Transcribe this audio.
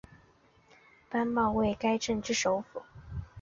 班茂为该镇之首府。